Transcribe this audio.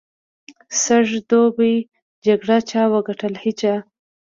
سږ دوبي جګړه چا وګټل؟ هېچا.